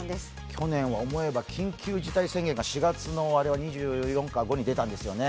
去年は思えば緊急事態宣言が４月２４日か２５日に出たんですよね。